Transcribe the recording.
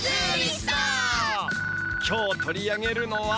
今日取り上げるのは。